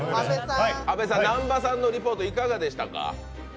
阿部さん、南波さんのリポートいかがでしたか。